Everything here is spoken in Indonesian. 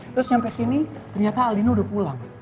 terus sampai sini ternyata aldino udah pulang